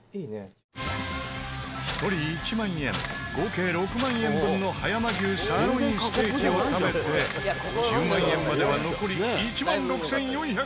１人１万円合計６万円分の葉山牛サーロインステーキを食べて１０万円までは残り１万６４７０円に。